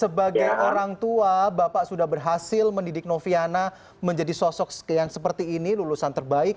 sebagai orang tua bapak sudah berhasil mendidik noviana menjadi sosok yang seperti ini lulusan terbaik